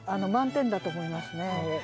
満点だと思いますね。